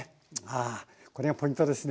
あこれがポイントですね。